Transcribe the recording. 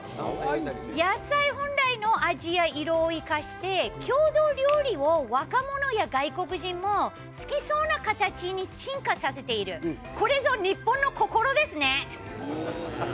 野菜本来の味や色を生かして、郷土料理を若者や外国人も好きそうな形に進化させている、これぞ日本の心ですね。